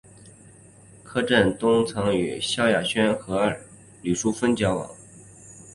柯震东曾与萧亚轩和李毓芬交往。